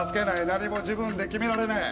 何も自分で決められねえ。